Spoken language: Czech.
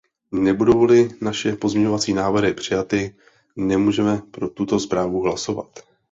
Nebudou-li naše pozměňovací návrhy přijaty, nemůžeme pro tuto zprávu hlasovat.